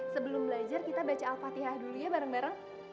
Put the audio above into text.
sebelum belajar kita baca al fatihah dulu ya bareng bareng